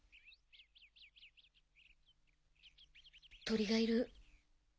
鳥がいる。